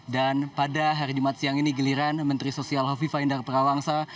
dan pada hari jumat siang ini giliran menteri sosial kofifah indar parawansa